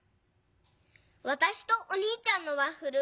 わたしとおにいちゃんのワッフル